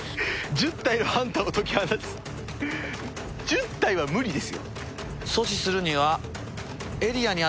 １０体は無理ですよ。